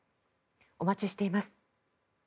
お待ちしています。